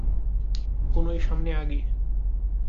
কনুই সামনে আগিয়ে।